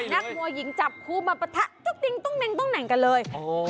นักมัวหญิงจับครูมาประทะตุ๊กติ๊งตุ๊กแหมงตุ๊กแหน่งกันเลย